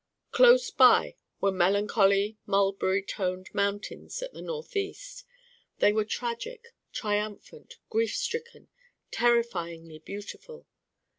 Close by were melancholy mulberry toned mountains at the north east. They were tragic, triumphant, grief stricken, terrifyingly beautiful.